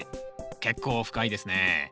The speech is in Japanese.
結構深いですね。